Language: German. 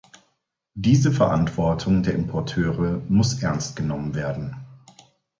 Diese Verantwortung der Importeure muss ernst genommen werden.